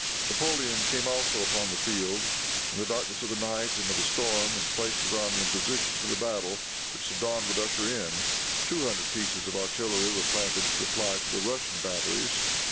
Napoleon came also upon the field, in the darkness of the night and of the storm, and placed his army in position for the battle which the dawn would usher in. Two hundred pieces of artillery were planted to reply to the Russian batteries.